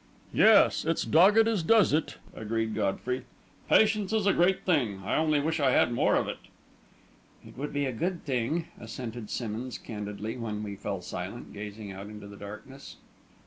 "Yes 'it's dogged as does it,'" agreed Godfrey. "Patience is a great thing. I only wish I had more of it." "It would be a good thing," assented Simmonds, candidly; and then we fell silent, gazing out into the darkness.